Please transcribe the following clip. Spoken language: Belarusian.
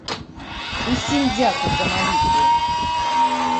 Усім дзякуй за малітвы!